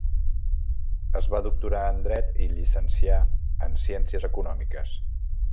Es va doctorar en Dret i llicenciar en Ciències Econòmiques.